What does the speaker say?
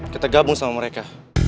kita gabung sama mereka